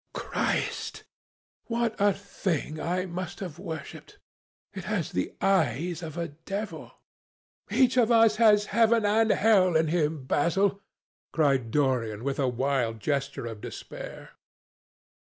"Christ! what a thing I must have worshipped! It has the eyes of a devil." "Each of us has heaven and hell in him, Basil," cried Dorian with a wild gesture of despair.